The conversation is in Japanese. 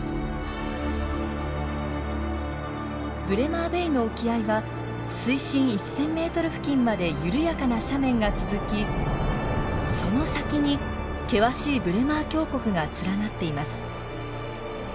ブレマーベイの沖合は水深１，０００ｍ付近まで緩やかな斜面が続きその先に険しいブレマー峡谷が連なっています。